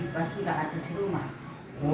pasti nggak ada di rumah